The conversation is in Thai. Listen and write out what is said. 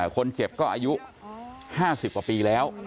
คนเจ็บก็อายุ๕๐กว่าปีแล้ว